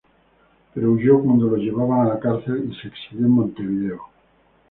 Pero huyó cuando lo llevaban a la cárcel, y se exilió en Montevideo.